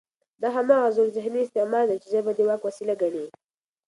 دا هماغه زوړ ذهني استعمار دی، چې ژبه د واک وسیله ګڼي